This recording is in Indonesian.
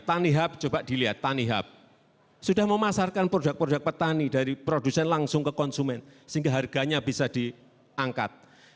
tanihub coba dilihat tanihub sudah memasarkan produk produk petani dari produsen langsung ke konsumen sehingga harganya bisa diangkat